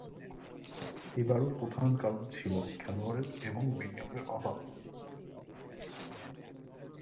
এবারও প্রধান কারণ ছিল খেলোয়াড়ের এবং বিনিয়োগের অভাব।